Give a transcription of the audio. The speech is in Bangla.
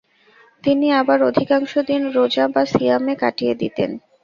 তিনি আবার অধিকাংশ দিন রোজা বা সিয়ামে কাটিয়ে দিতেন।